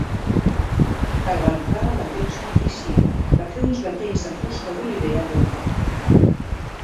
Per a l'entrada del lloc santíssim, va fer uns batents de fusta d'olivera borda.